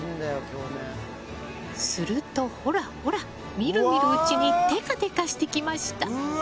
すると、ほらほらみるみるうちにテカテカしてきました。